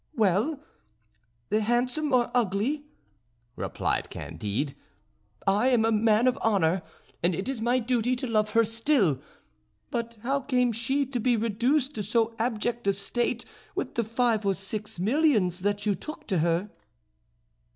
"Well, handsome or ugly," replied Candide, "I am a man of honour, and it is my duty to love her still. But how came she to be reduced to so abject a state with the five or six millions that you took to her?"